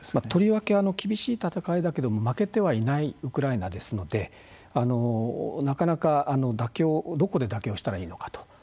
とりわけ厳しい戦いだけど負けてはいないウクライナですのでなかなかどこで妥協したらいいのか。